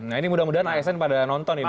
nah ini mudah mudahan asn pada nonton ini